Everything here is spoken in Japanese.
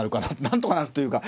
なんとかなるというか。